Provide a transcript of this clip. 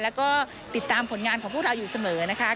แล้วก็ติดตามผลงานของพวกเราอยู่เสมอนะคะ